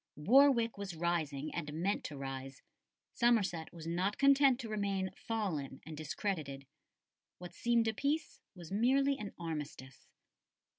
Warwick was rising, and meant to rise; Somerset was not content to remain fallen and discredited. What seemed a peace was merely an armistice.